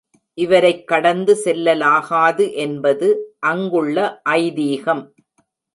இவரைக் கடந்து செல்லலாகாது என்பது அங்குள்ள ஐதீகம்.